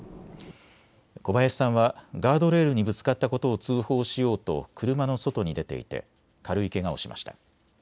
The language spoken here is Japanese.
小林さんはガードレールにぶつかったことを通報しようと車の外に出ていて軽いけがをしました。